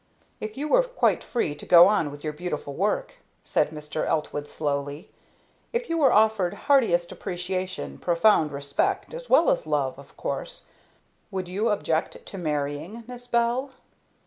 "If you were quite free to go on with your beautiful work," said Mr. Eltwood slowly, "if you were offered heartiest appreciation, profound respect, as well as love, of course; would you object to marrying, Miss Bell?"